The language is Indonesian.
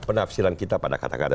penafsiran kita pada kata kata